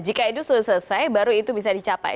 jika itu sudah selesai baru itu bisa dicapai